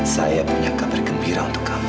saya punya kabar gembira untuk kami